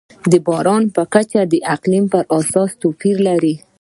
د باران کچه د اقلیم پر اساس توپیر لري.